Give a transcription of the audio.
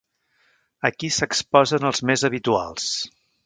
Aquí s'exposen els més habituals.